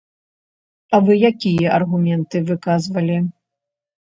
А вы якія аргументы выказвалі?